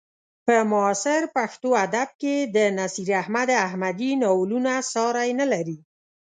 په معاصر پښتو ادب کې د نصیر احمد احمدي ناولونه ساری نه لري.